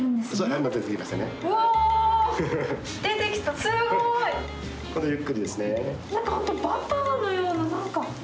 何か本当バターのような何か。